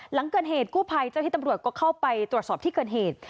หลังเกิดเหตุกู้ภัยเจ้าที่ตำรวจก็เข้าไปตรวจสอบที่เกิดเหตุ